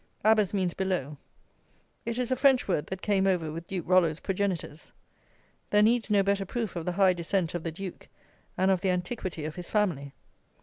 Abas means below. It is a French word that came over with Duke Rollo's progenitors. There needs no better proof of the high descent of the Duke, and of the antiquity of his family.